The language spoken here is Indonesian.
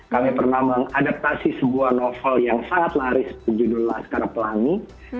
kami pernah mengadaptasi sebuah novel yang sangat laris berjudul laskar pelangi